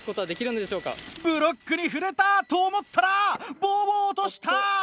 ブロックに触れた！と思ったら棒を落とした！